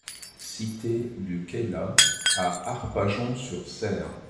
Cité du Cayla à Arpajon-sur-Cère